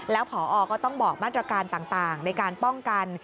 แล้วผอก็ต้องบอกมาตรการต่างในการป้องกัน